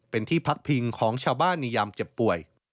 เป็นที่พักพิงของชาวบ้านในยามเจ็บป่วย